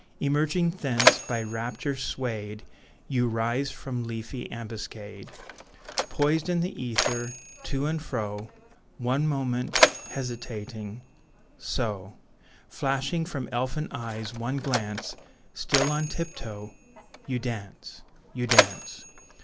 Emerging thence by rapture swayed You rise from leafy ambuscade Poised in the ether, to and fro, One moment, hesitating so Flashing from elfin eyes one glance Still on tiptoe You dance! You dance!